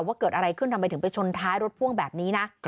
ว่าเกิดอะไรขึ้นทำไมถึงไปชนท้ายรถพ่วงแบบนี้นะ